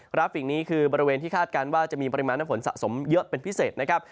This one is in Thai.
ราฟิกนี้คือบริเวณที่คาดการณ์ว่าจะมีปริมาณน้ำฝนสะสมเยอะเป็นพิเศษนะครับ